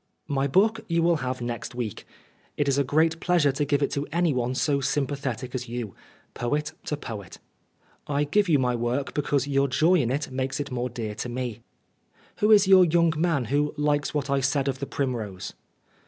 " My book you will have next week it is 83 Oscar Wilde a great pleasure to give it to anyone so sympathetic as you poet to poet. I give you my work because your joy in it makes it more dear to me. " Who is your young man who likes what I said of the primrose